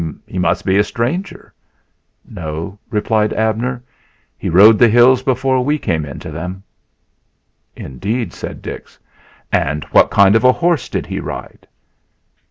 "He must be a stranger." "No," replied Abner, "he rode the hills before we came into them." "Indeed!" said Dix. "And what kind of a horse did he ride?"